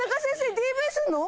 ＤＶすんの？